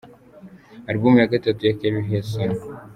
Album ya Gatatu ya Keri Hilson « L.